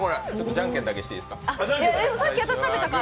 じゃんけんだけしていいですか。